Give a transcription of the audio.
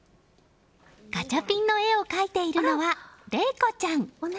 ガチャピンの絵を描いているのは怜子ちゃん。